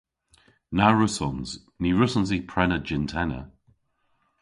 Na wrussons. Ny wrussons i prena jynn-tenna.